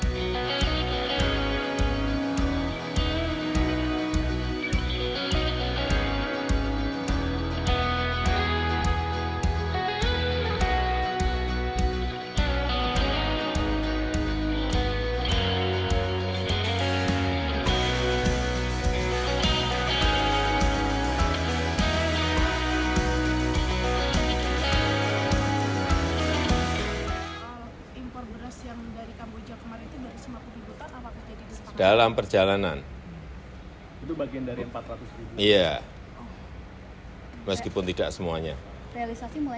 kalau untuk dari kamboja kan kemarin waktu di lateral